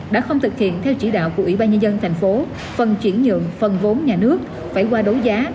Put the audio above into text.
đã không thực hiện theo chỉ đạo của ủy ban nhà dân tp phần chuyển nhượng phần vốn nhà nước phải qua đấu giá